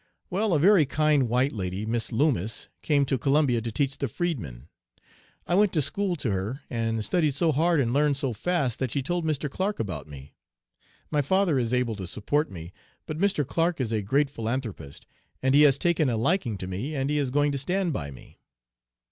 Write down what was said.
"'Well, a very kind white lady Miss Loomis came to Columbia to teach the freedmen. I went to school to her and studied so hard and learned so fast that she told Mr. Clark about me. My father is able to support me, but Mr. Clark is a great philanthropist and he has taken a liking to me and he is going to stand by me.'